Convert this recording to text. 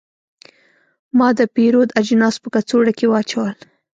ما د پیرود اجناس په کڅوړه کې واچول.